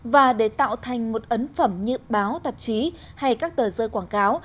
và để tạo thành một ấn phẩm như báo tạp chí hay các tờ rơi quảng cáo